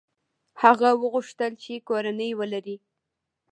هغه وغوښتل چې کورنۍ ولري.